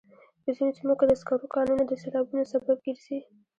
په ځینو سیمو کې د سکرو کانونه د سیلابونو سبب ګرځي.